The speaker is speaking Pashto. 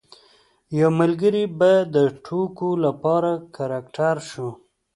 یو ملګری به د ټوکو لپاره کرکټر شو.